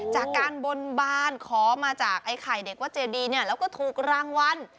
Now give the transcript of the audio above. จากการบนบานขอมาจากไอ้ไข่เด็กวัดเจดีเนี่ยแล้วก็ถูกรางวัล